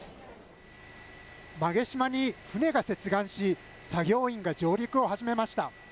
馬毛島に船が接岸し、作業員が上陸を始めました。